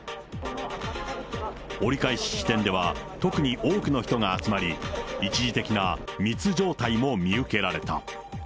折り返し地点では、特に多くの人が集まり、一時的な密状態も見受けられた。